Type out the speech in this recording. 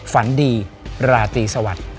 ฝันดีราตรีสวัสดิ์